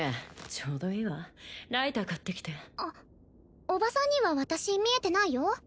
ちょうどいいわライター買ってきてあっ叔母さんには私見えてないよ